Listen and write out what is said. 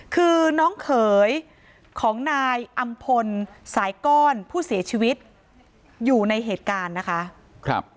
คือน้องเขยของนายอำพลสายก้อนผู้เสียชีวิตอยู่ในเหตุการณ์นะคะ